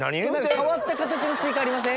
変わった形のスイカありません？